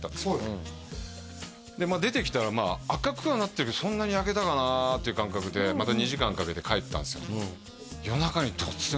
はいでまあ出てきたらまあ赤くはなってるけどそんなに焼けたかなっていう感覚でまた２時間かけて帰ったんですよ